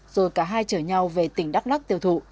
rồi cả hai chở nhau về tỉnh đắk lắc tiêu thụ